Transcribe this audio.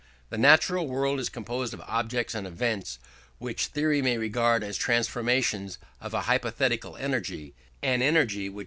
The natural world is composed of objects and events which theory may regard as transformations of a hypothetical energy; an energy which M.